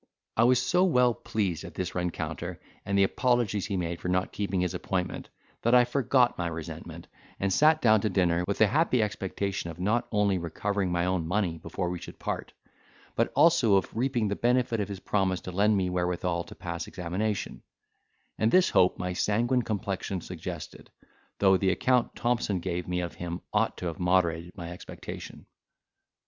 I was so well pleased at this rencounter and the apologies he made for not keeping his appointment, that I forgot my resentment, and sat down to dinner, with the happy expectation of not only recovering my own money before we should part, but also of reaping the benefit of his promise to lend me wherewithal to pass examination; and this hope my sanguine complexion suggested, though the account Thompson gave me of him ought to have moderated my expectation.